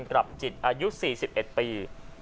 กลับจิตอายุ๔๑ปี